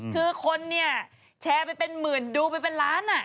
คือคนเนี่ยแชร์ไปเป็นหมื่นดูไปเป็นล้าน